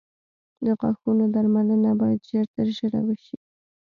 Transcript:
د غاښونو درملنه باید ژر تر ژره وشي.